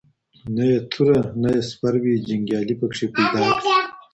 نه یې توره نه یې سپر وي جنګیالی پکښی پیدا کړي